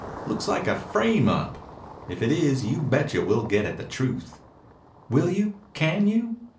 Looks like a frame up. If it is, you betcha we'll get at the truth." "Will you? Can you?"